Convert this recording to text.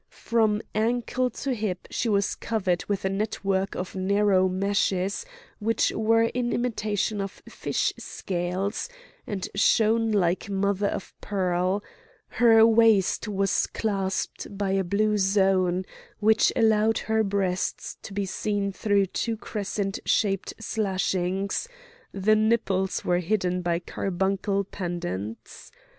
From ankle to hip she was covered with a network of narrow meshes which were in imitation of fish scales, and shone like mother of pearl; her waist was clasped by a blue zone, which allowed her breasts to be seen through two crescent shaped slashings; the nipples were hidden by carbuncle pendants.